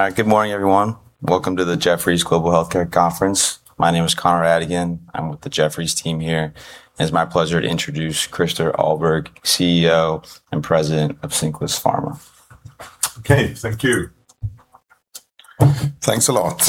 All right. Good morning, everyone. Welcome to the Jefferies Global Healthcare Conference. My name is Conor Fagan. I'm with the Jefferies team here. It's my pleasure to introduce Christer Ahlberg, CEO and President of Cinclus Pharma. Okay. Thank you. Thanks a lot.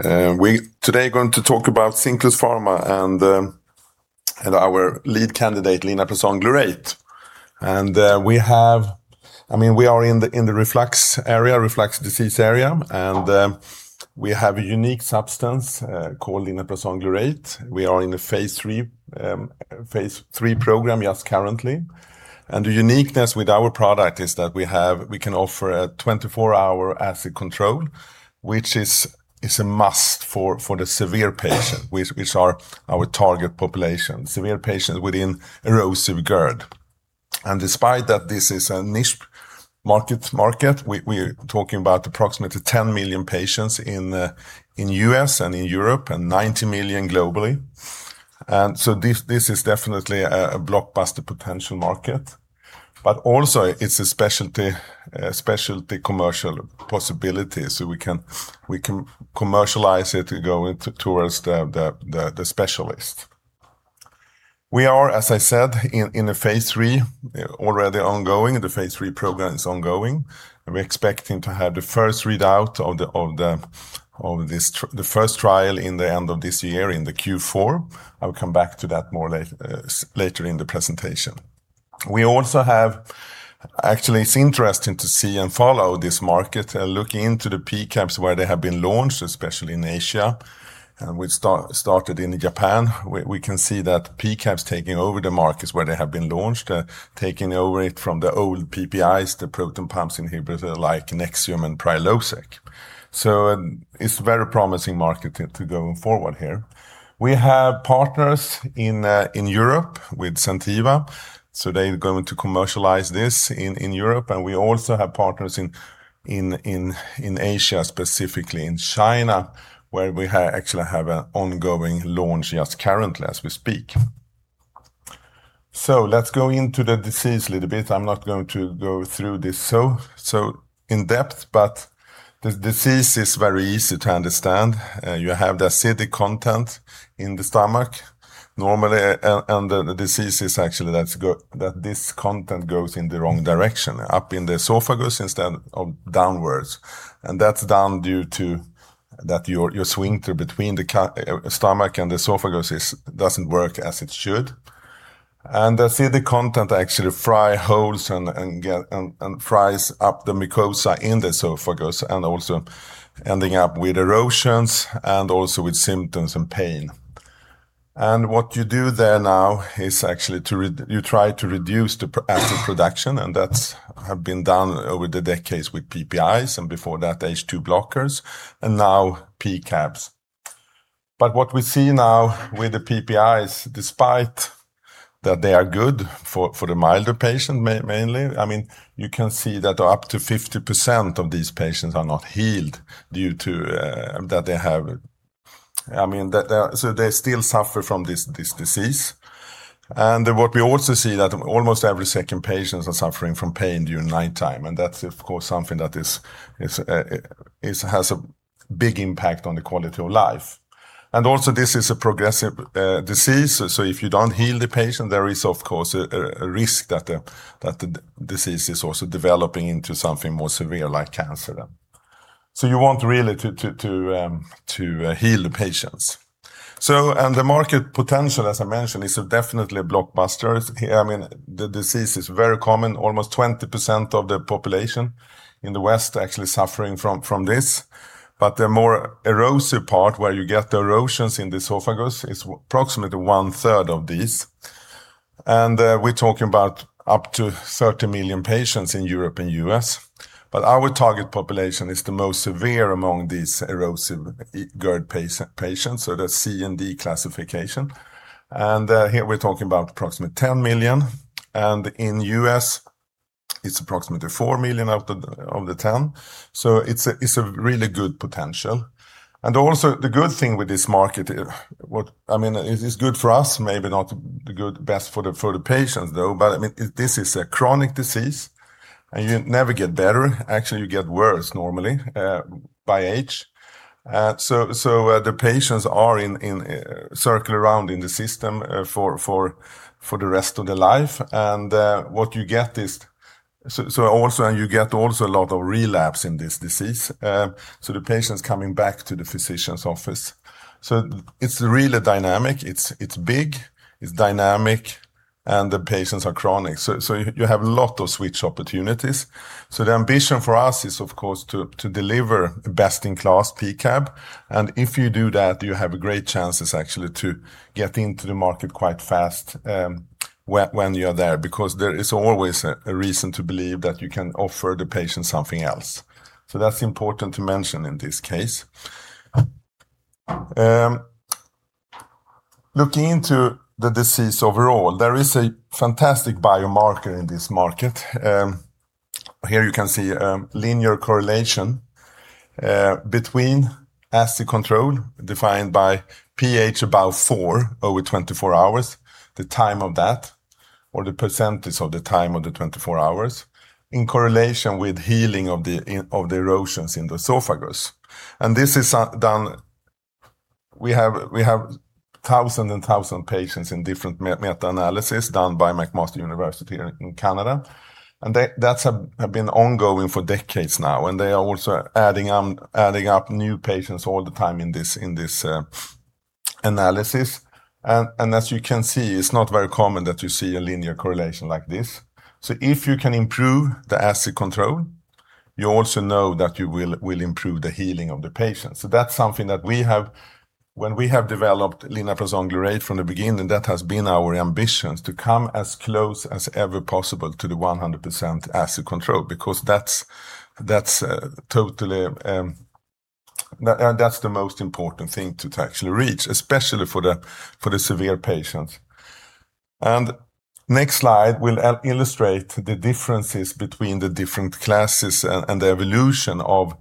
Today we're going to talk about Cinclus Pharma and our lead candidate, linaprazan glurate. We are in the reflux disease area, we have a unique substance called linaprazan glurate. We are in the phase III program just currently. The uniqueness with our product is that we can offer a 24-hour acid control, which is a must for the severe patient, which are our target population, severe patients within erosive GERD. Despite that this is a niche market, we are talking about approximately 10 million patients in the U.S. and in Europe and 90 million globally. This is definitely a blockbuster potential market but also it's a specialty commercial possibility. We can commercialize it, go towards the specialist. We are, as I said, in the phase III, already ongoing. The phase III program is ongoing, and we're expecting to have the first readout of the first trial in the end of this year in the Q4. I'll come back to that more later in the presentation. Actually, it's interesting to see and follow this market, looking into the P-CABs where they have been launched, especially in Asia. We started in Japan. We can see that P-CABs taking over the markets where they have been launched, taking over it from the old PPIs, the proton-pump inhibitors like Nexium and Prilosec. It's a very promising market to go forward here. We have partners in Europe with Zentiva, so they're going to commercialize this in Europe. We also have partners in Asia, specifically in China, where we actually have an ongoing launch just currently as we speak. Let's go into the disease a little bit. I'm not going to go through this so in depth, the disease is very easy to understand. You have the acidic content in the stomach normally, the disease is actually that this content goes in the wrong direction, up in the esophagus instead of downwards. That's down due to that your sphincter between the stomach and the esophagus doesn't work as it should. The acidic content actually fry holes and fries up the mucosa in the esophagus and also ending up with erosions and also with symptoms and pain. What you do there now is actually you try to reduce the acid production, that's have been done over the decades with PPIs and before that H2 blockers and now P-CABS. What we see now with the PPIs, despite that they are good for the milder patient mainly. You can see that up to 50% of these patients are not healed so they still suffer from this disease. What we also see that almost every second patients are suffering from pain during nighttime, and that's of course, something that has a big impact on the quality of life. Also this is a progressive disease. If you don't heal the patient, there is of course, a risk that the disease is also developing into something more severe, like cancer. You want really to heal the patients. The market potential, as I mentioned, is definitely a blockbuster. The disease is very common. Almost 20% of the population in the West are actually suffering from this but the more erosive part where you get the erosions in the esophagus is approximately one-third of these. We're talking about up to 30 million patients in Europe and U.S. Our target population is the most severe among these erosive GERD patients, so that's C and D classification. Here we're talking about approximately 10 million, and in U.S., it's approximately 4 million out of the 10 million. It's a really good potential. Also the good thing with this market, it's good for us, maybe not the best for the patients, though. This is a chronic disease and you never get better. Actually, you get worse normally, by age. The patients are in circle around in the system for the rest of their life. You get also a lot of relapse in this disease, so the patients coming back to the physician's office. It's big, it's dynamic, and the patients are chronic. You have a lot of switch opportunities. The ambition for us is, of course, to deliver best-in-class P-CAB. If you do that, you have great chances actually to get into the market quite fast when you are there, because there is always a reason to believe that you can offer the patient something else. That's important to mention in this case. Looking into the disease overall, there is a fantastic biomarker in this market. Here you can see a linear correlation between acid control defined by pH above four over 24 hours, the percentage of the time of the 24 hours in correlation with healing of the erosions in the esophagus. This is done, we have 1,000 and 1,000 patients in different meta-analysis done by McMaster University in Canada, and that have been ongoing for decades now, and they are also adding up new patients all the time in this analysis. As you can see, it's not very common that you see a linear correlation like this. If you can improve the acid control, you also know that you will improve the healing of the patient. That's something that when we have developed linaprazan glurate from the beginning, that has been our ambition, to come as close as ever possible to the 100% acid control because that's the most important thing to actually reach, especially for the severe patients. Next slide will illustrate the differences between the different classes and the evolution of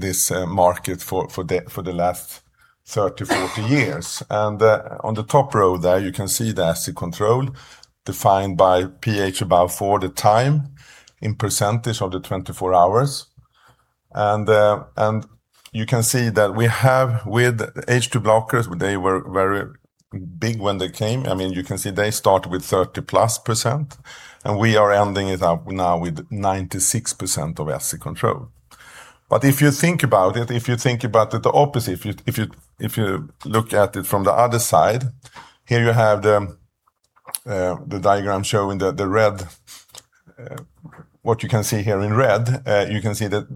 this market for the last 30, 40 years. On the top row there, you can see the acid control defined by pH above 4 the time in percentage of the 24 hours. You can see that we have with H2 blockers, they were very big when they came. You can see they started with 30+% and we are ending it up now with 96% of acid control. If you think about it, the opposite, if you look at it from the other side, here you have the diagram showing what you can see here in red, you can see below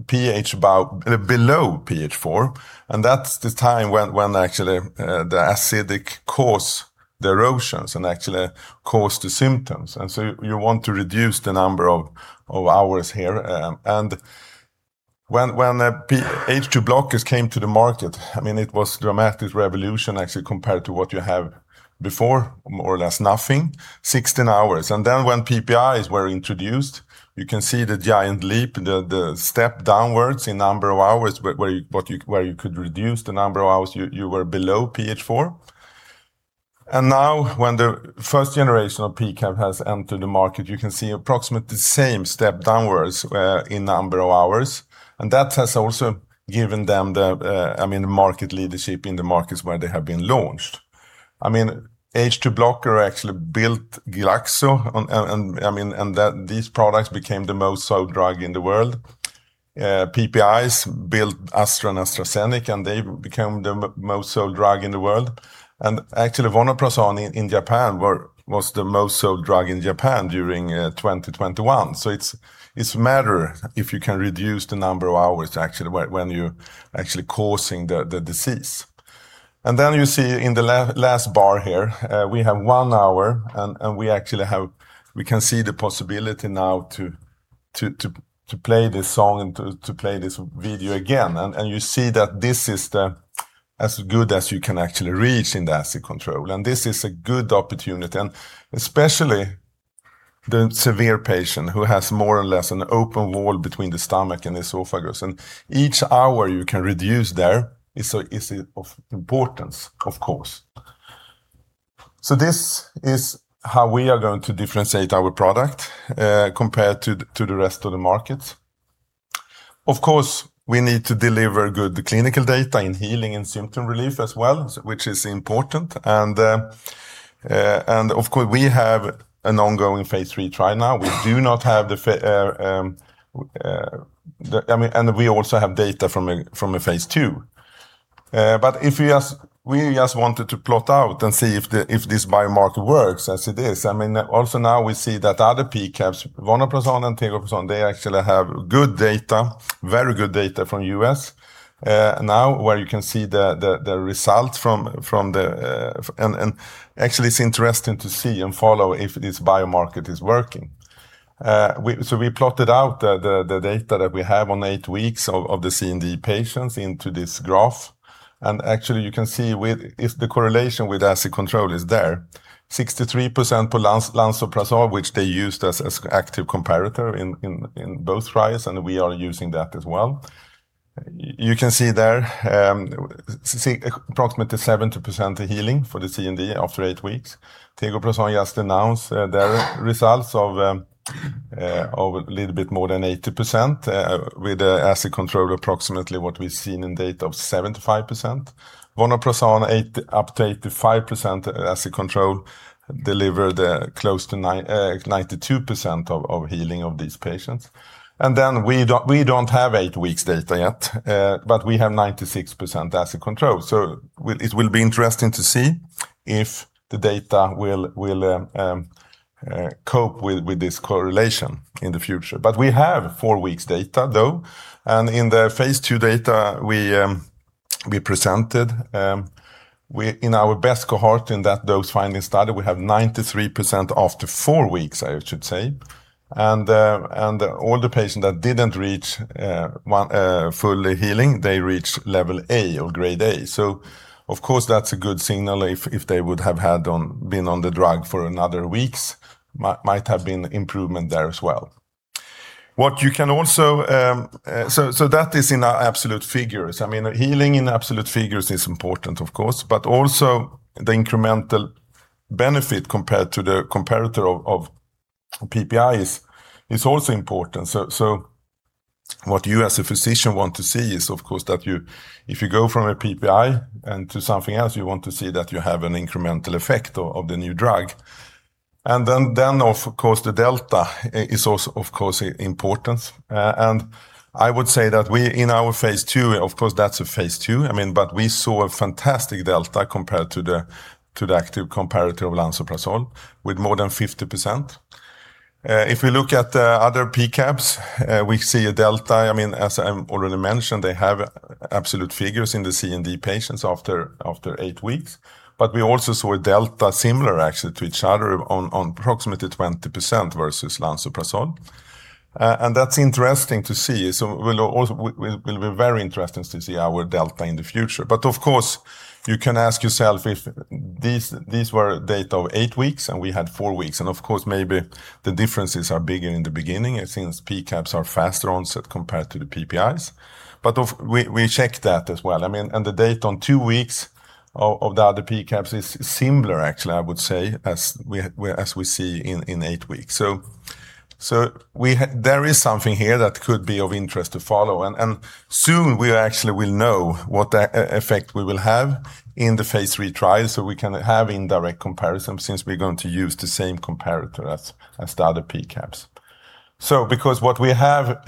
pH 4, that's the time when actually the acidic cause the erosions and actually cause the symptoms. You want to reduce the number of hours here. When H2 blockers came to the market, it was dramatic revolution actually compared to what you have before, more or less nothing, 16 hours. When PPIs were introduced, you can see the giant leap, the step downwards in number of hours, where you could reduce the number of hours you were below pH 4. Now when the first generation of P-CAB has entered the market, you can see approximately the same step downwards in number of hours. That has also given them the market leadership in the markets where they have been launched. H2 blocker actually built Glaxo and these products became the most sold drug in the world. PPIs built Astra and AstraZeneca, they became the most sold drug in the world. Actually vonoprazan in Japan was the most sold drug in Japan during 2021. It's matter if you can reduce the number of hours when you're actually causing the disease. You see in the last bar here, we have one hour and we can see the possibility now to play this song and to play this video again. You see that this is as good as you can actually reach in the acid control. This is a good opportunity and especially the severe patient who has more or less an open wall between the stomach and esophagus, and each hour you can reduce there is of importance, of course. This is how we are going to differentiate our product compared to the rest of the market. Of course, we need to deliver good clinical data in healing and symptom relief as well, which is important. Of course, we have an ongoing phase III trial now. We also have data from a phase II. We just wanted to plot out and see if this biomarker works as it is. Now we see that other P-CABs, vonoprazan and tegoprazan, they actually have good data, very good data from U.S. Now where you can see the results. Actually it's interesting to see and follow if this biomarker is working. We plotted out the data that we have on eight weeks of the C and D patients into this graph. Actually, you can see if the correlation with acid control is there, 63% on lansoprazole, which they used as active comparator in both trials, and we are using that as well. You can see there, approximately 70% healing for the C and D after eight weeks. Tegoprazan just announced their results of a little bit more than 80%, with the acid control approximately what we've seen in data of 75%. Vonoprazan up to 85% acid control delivered close to 92% of healing of these patients. We don't have eight weeks data yet. We have 96% acid control. It will be interesting to see if the data will cope with this correlation in the future. We have four weeks data, though. In the phase II data we presented, in our best cohort in that dose-finding study, we have 93% after four weeks, I should say. All the patients that didn't reach full healing, they reached level A or grade A. Of course, that's a good signal if they would have been on the drug for another weeks, might have been improvement there as well. That is in absolute figures. Healing in absolute figures is important, of course, but also the incremental benefit compared to the comparator of PPIs is also important. What you as a physician want to see is, of course, that if you go from a PPI and to something else, you want to see that you have an incremental effect of the new drug. Of course, the delta is also, of course, important. I would say that in our phase II, of course, that's a phase II, but we saw a fantastic delta compared to the active comparator of lansoprazole with more than 50%. If we look at the other P-CABs, we see a delta. As I already mentioned, they have absolute figures in the C and D patients after eight weeks. We also saw a delta similar actually to each other on approximately 20% versus lansoprazole. That's interesting to see. It will be very interesting to see our delta in the future. Of course, you can ask yourself if these were data of eight weeks and we had four weeks, and of course, maybe the differences are bigger in the beginning since P-CABs are faster onset compared to the PPIs. We checked that as well. The data on two weeks of the other P-CABs is similar, actually, I would say, as we see in eight weeks. There is something here that could be of interest to follow, and soon we actually will know what effect we will have in the phase III trial so we can have indirect comparison since we're going to use the same comparator as the other P-CABs. Because what we have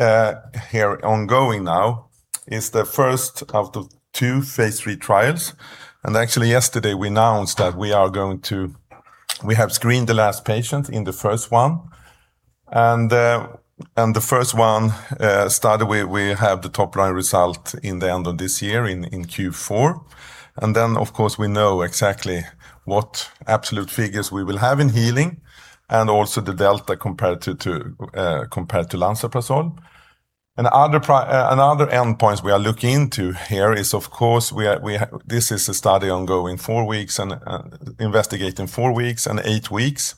here ongoing now is the first of the two phase III trials, and actually yesterday we announced that we have screened the last patient in the first one. The first one study, we have the top-line result in the end of this year in Q4. Then, of course, we know exactly what absolute figures we will have in healing and also the delta compared to lansoprazole. Other endpoints we are looking into here is, of course, this is a study investigating four weeks and eight weeks,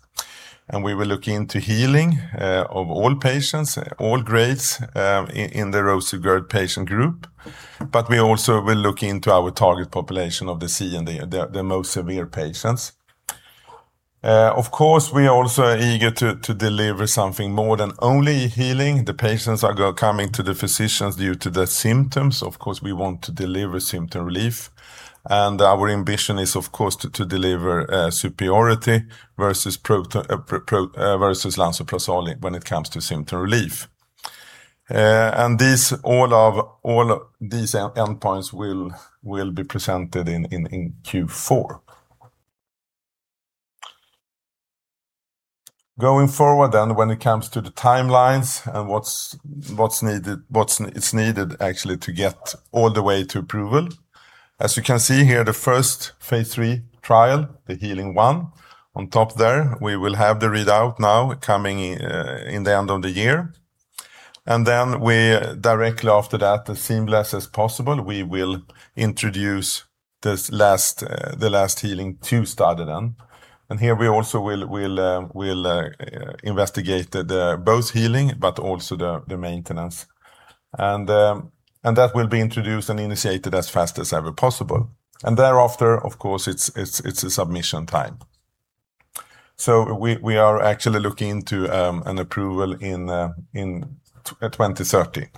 and we will look into healing of all patients, all grades in the erosive GERD patient group. We also will look into our target population of the C and D, the most severe patients. Of course, we also are eager to deliver something more than only healing. The patients are coming to the physicians due to their symptoms. Of course, we want to deliver symptom relief. Our ambition is, of course, to deliver superiority versus lansoprazole when it comes to symptom relief. All these endpoints will be presented in Q4. Going forward, when it comes to the timelines and what is needed actually to get all the way to approval. As you can see here, the first phase III trial, the HEEALING1, on top there, we will have the readout now coming in the end of the year. Directly after that, as seamless as possible, we will introduce the last HEEALING2 study then. Here we also will investigate both HEEALING but also the maintenance. That will be introduced and initiated as fast as ever possible. Thereafter, of course, it's submission time. We are actually looking into an approval in 2030.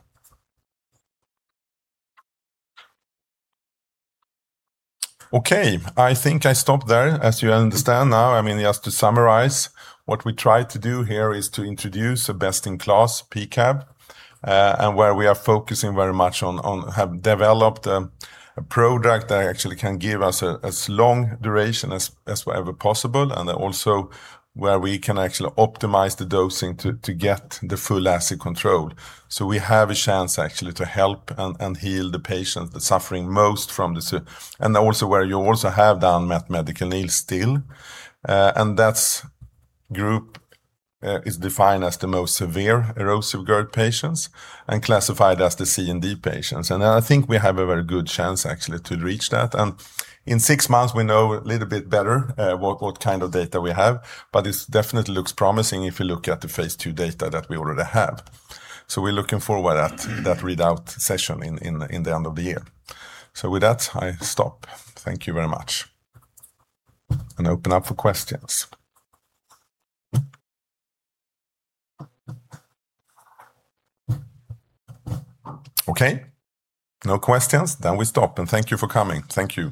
Okay. I think I stop there. As you understand now, just to summarize, what we try to do here is to introduce a best-in-class P-CAB, and where we are focusing very much on have developed a product that actually can give us as long duration as ever possible, also where we can actually optimize the dosing to get the full acid control. We have a chance actually to help and heal the patient, the suffering most from this. Also where you also have unmet medical need still. That group is defined as the most severe erosive GERD patients and classified as the C and D patients. I think we have a very good chance actually to reach that. In six months, we know a little bit better what kind of data we have but it definitely looks promising if you look at the phase II data that we already have. We're looking forward at that readout session in the end of the year. With that, I stop. Thank you very much. Open up for questions. Okay. No questions, then we stop. Thank you for coming. Thank you